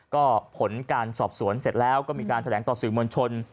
ก็ผลการสอบสวนเสร็จแล้วก็มีการแถลงต่อสื่อมวลชน